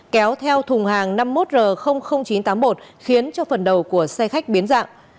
kéo theo thùng hàng năm mươi một r chín trăm tám mươi một khiến cho phần đầu của xe khách biến dạng